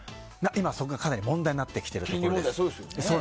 今、そこがかなり問題になってきています。